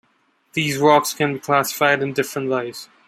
These rocks can be classified in different ways.